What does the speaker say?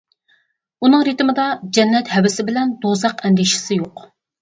ئۇنىڭ رىتىمىدا جەننەت ھەۋىسى بىلەن دوزاخ ئەندىشىسى يوق.